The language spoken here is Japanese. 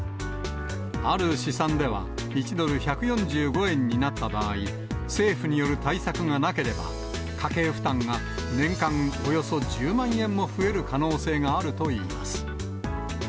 ある試算では、１ドル１４５円になった場合、政府による対策がなければ、家計負担が年間およそ１０万円も増える可能性があるといいます。